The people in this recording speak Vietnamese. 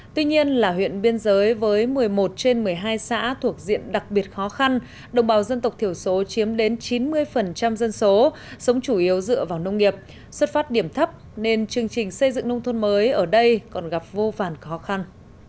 tuy nhiên là huyện biên giới với một mươi một trên một mươi hai xã thuộc diện đặc biệt khó khăn đồng bào dân tộc thiểu số chiếm đến chín mươi dân số sống chủ yếu dựa vào nông nghiệp xuất phát điểm thấp nên chương trình xây dựng nông thôn mới ở đây còn gặp vô vàn khó khăn